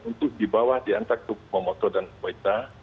untuk dibawah di antar kumamoto dan oita